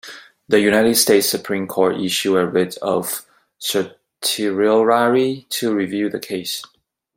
The United States Supreme Court issued a writ of certiorari to review the case.